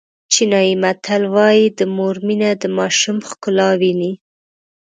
چینایي متل وایي د مور مینه د ماشوم ښکلا ویني.